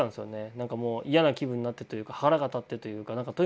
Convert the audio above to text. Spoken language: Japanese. なんかもう嫌な気分になってというか腹がたってというか。